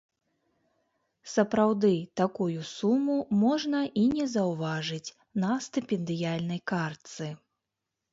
Сапраўды, такую суму можна і не заўважыць на стыпендыяльнай картцы.